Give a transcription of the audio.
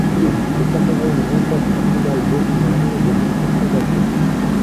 Le Cameroun remporte la finale deux buts à un et devient champion d'Afrique.